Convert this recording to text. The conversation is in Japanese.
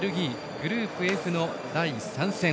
グループＦの第３戦。